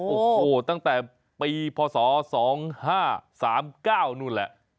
โอ้โหตั้งแต่ปีพศ๒๕๓๙นู่นแหละ